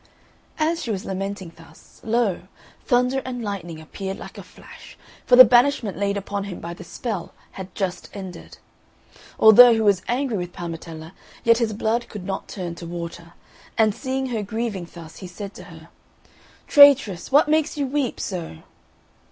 As she was lamenting thus, lo! Thunder and Lightning appeared like a flash, for the banishment laid upon him by the spell had just ended. Although he was angry with Parmetella, yet his blood could not turn to water, and seeing her grieving thus he said to her, "Traitress, what makes you weep so?"